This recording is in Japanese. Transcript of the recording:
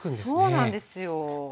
そうなんですよ。